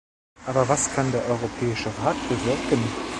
Aber was kann der Europäische Rat bewirken?